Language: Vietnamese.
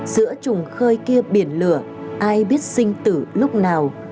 giữa trùng khơi biển lửa ai biết sinh tử lúc nào